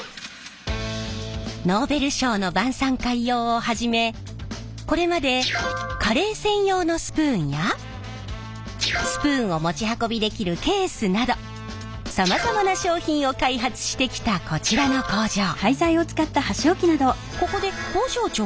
ノーベル賞の晩さん会用をはじめこれまでカレー専用のスプーンやスプーンを持ち運びできるケースなどさまざまな商品を開発してきたこちらの工場。